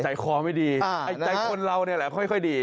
ใจคอไม่ดีใจคนเราเนี่ยแหละค่อยดี